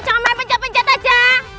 jangan main pencet pencet aja